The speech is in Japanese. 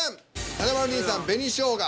華丸兄さん「紅しょうが」